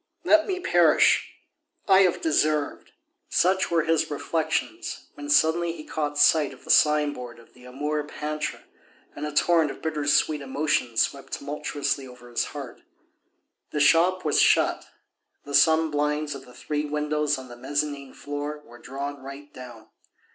Let me perish! I have deserved ..." Such were his reflections when suddenly he caught sight of the signboard of the Amour peintre, and a torrent of bitter sweet emotions swept tumultuously over his heart. The shop was shut, the sun blinds of the three windows on the mezzanine floor were drawn right down.